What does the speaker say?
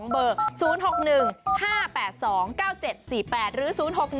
๒เบอร์๐๖๑๕๘๒๙๗๔๘หรือ๐๖๑๒๙๔๕๘๗๖